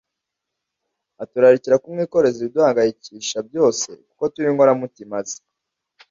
aturarikira kumwikoreza ibiduhangayikisha byose; kuko turi inkoramutima ze